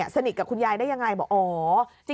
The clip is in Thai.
สนิทกับคุณยายได้ยังไงบอกอ๋อ